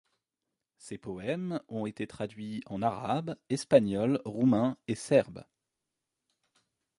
Ses poèmes ont été traduits en arabe, espagnol, roumain et serbe.